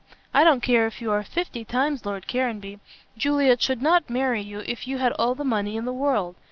I don't care if you are fifty times Lord Caranby. Juliet should not marry you if you had all the money in the world.